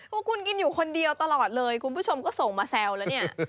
พวกคุณกินอยู่คนเดียวตลอดเลยคุณผู้ชมก็ส่งมาแซวแล้วเนี่ย